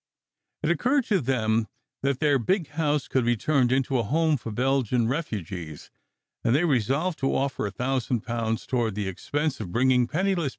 It occurred to them that their big house could be turned into a home for Belgian refugees, and they resolved to offer a thousand pounds toward the ex pense of bringing penniless people over to England.